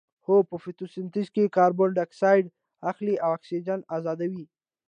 هو په فتوسنتیز کې کاربن ډای اکسایډ اخلي او اکسیجن ازادوي